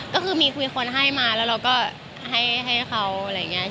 ก็คือมีคุยคนให้มาแล้วเราก็ให้เขาอะไรอย่างนี้